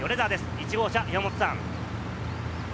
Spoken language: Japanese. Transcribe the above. １号車、山本さん。